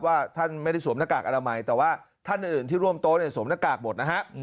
ว่าท่านไม่ได้สวมหน้ากากอนามัยแต่ว่าท่านอื่นที่ร่วมโต๊ะเนี่ยสวมหน้ากากหมดนะฮะ